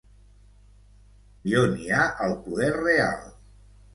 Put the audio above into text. I on hi ha el poder real.